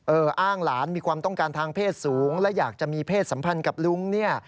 อ้างหลานมีความต้องการทางเพศสูงและอยากจะมีเพศสัมพันธ์กับลุงเนี่ย